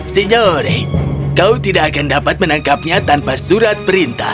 signore kau tidak akan dapat menangkapnya tanpa surat perintah